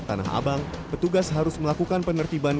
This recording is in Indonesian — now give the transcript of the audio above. pembelajaran petugas harus melakukan penertiban